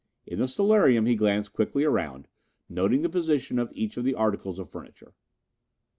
In the solarium he glanced quickly around, noting the position of each of the articles of furniture.